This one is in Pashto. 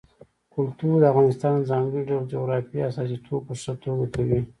کلتور د افغانستان د ځانګړي ډول جغرافیې استازیتوب په ښه توګه کوي.